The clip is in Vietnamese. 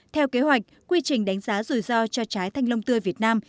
theo kế hoạch quy trình đánh giá rủi ro cho trái thanh long tươi việt nam